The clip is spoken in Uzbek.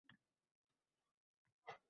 Juniorlarni ishga oson qabul qilishmaydi